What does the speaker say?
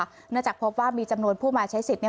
เนื่องจากพบว่ามีจำนวนผู้มาใช้สิทธิ์เนี่ย